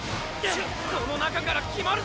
この中から決まるぞ！